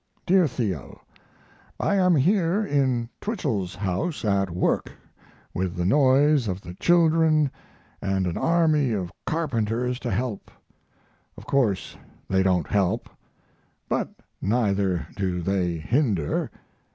DEAR THEO, I am here in Twichell's house at work, with the noise of the children and an army of carpenters to help: Of course they don't help, but neither do they hinder.